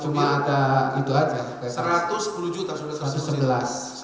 cuma ada itu saja